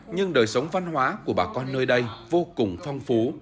nhưng đời sống văn hóa của bà con nơi đây vô cùng phong phú